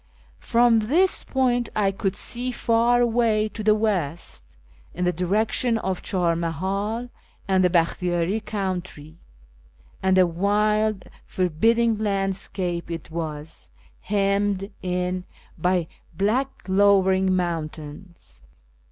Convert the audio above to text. From this point I could see far away to the west, in the direction of Char MahiU and the Bakhtiyari country, and a wild forbid ding landscape it was, hemmed in by black lowering moun tains.